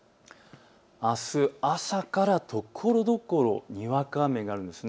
あす朝からところどころにわか雨があるんです。